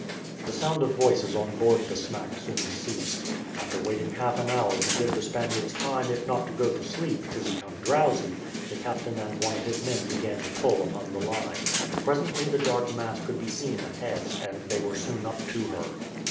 The sound of voices on board the smack soon ceased. After waiting half an hour to give the Spaniards time if not to go to sleep to become drowsy, the captain and one of his men began to pull upon the line. Presently the dark mass could be seen ahead, and they were soon up to her.